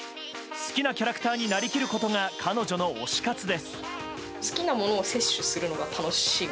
好きなキャラクターになりきることが彼女の推し活です。